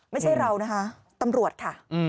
ไม่ใช่เรานะคะตำรวจค่ะ